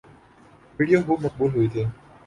video خوب مقبول ہوئی تھی